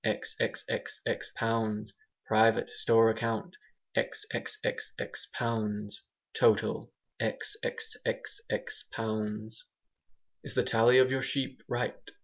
xxxx pounds Private store account............... xxxx pounds Total............................... xxxx pounds "Is the tally of your sheep right?"